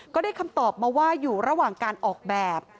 ก็ได้คำตอบมาว่าอยู่ระหว่างการออกแบบ